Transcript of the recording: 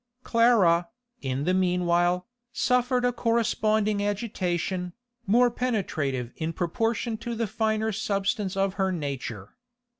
Clara, in the meanwhile, suffered a corresponding agitation, more penetrative in proportion to the finer substance of her nature.